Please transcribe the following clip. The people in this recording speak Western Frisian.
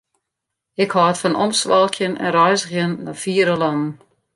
Ik hâld fan omswalkjen en reizgjen nei fiere lannen.